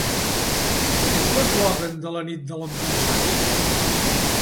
Quin és l'eslògan de la Nit de l'Empresari?